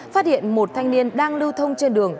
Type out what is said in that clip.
phát hiện một thanh niên đang lưu thông trên đường